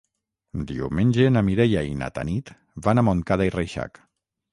Diumenge na Mireia i na Tanit van a Montcada i Reixac.